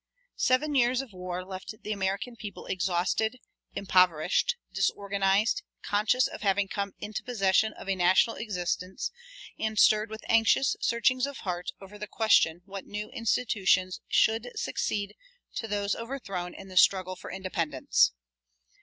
Seven years of war left the American people exhausted, impoverished, disorganized, conscious of having come into possession of a national existence, and stirred with anxious searchings of heart over the question what new institutions should succeed to those overthrown in the struggle for independence.